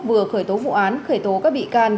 vừa khởi tố vụ án khởi tố các bị can